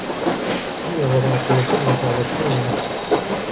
هىَ وضعت المجلة علىَ الطاولة.